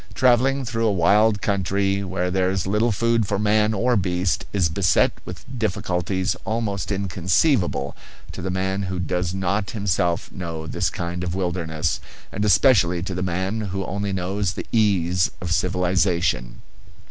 Travelling through a wild country where there is little food for man or beast is beset with difficulties almost inconceivable to the man who does not himself know this kind of wilderness, and especially to the man who only knows the ease of civilization.